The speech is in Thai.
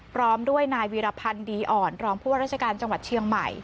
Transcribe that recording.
พร้อมด้วยนายวีรพันธ์ดีอ่อนรองผู้ว่าราชการจังหวัดเชียงใหม่